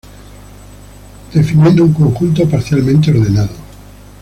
Definiendo un conjunto parcialmente ordenado.